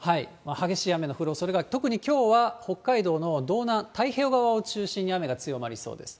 激しい雨の降るおそれが、特にきょうは、北海道の道南、太平洋側を中心に雨が強まりそうです。